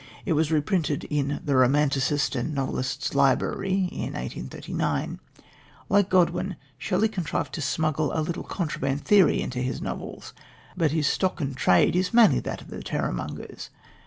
It was reprinted in The Romancist and Novelist's Library in 1839. Like Godwin, Shelley contrived to smuggle a little contraband theory into his novels, but his stock in trade is mainly that of the terrormongers.